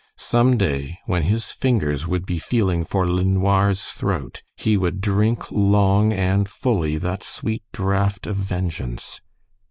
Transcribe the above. Some day, when his fingers would be feeling for LeNoir's throat, he would drink long and fully that sweet draught of vengeance.